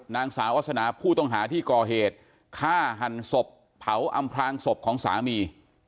นางสาวาสนาผู้ต้องหาที่ก่อเหตุฆ่าหันศพเผาอำพลางศพของสามี